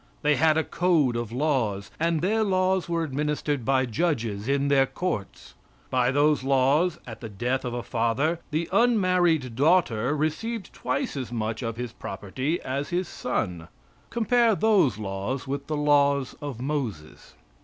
They had a code of laws, and their laws were administered by judges in their courts. By those laws, at the death of a father, the unmarried daughter received twice as much of his property as his son. Compare those laws with the laws of Moses.